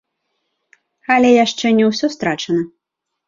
Але яшчэ не ўсё страчана.